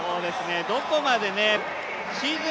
どこまで、シーズン